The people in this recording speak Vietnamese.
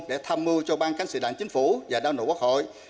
để tham mưu cho ban cánh sử đảng chính phủ và đảng nội quốc hội